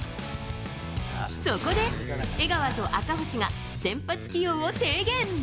そこで江川と赤星が先発起用を提言。